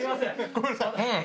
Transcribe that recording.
ごめんなさい。